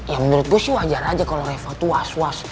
ya menurut gue sih wajar aja kalau revo itu was was